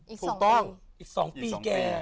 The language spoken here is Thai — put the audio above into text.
ถูกต้องอีก๒ปีแก